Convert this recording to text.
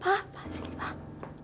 pak sini pak